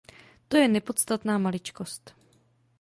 To je nepodstatná maličkost.